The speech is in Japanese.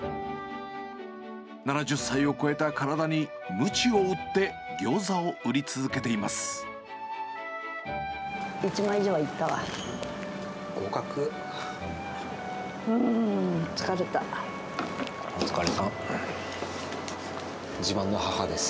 ７０歳を超えた体にむちを打ってギョーザを売り続けています。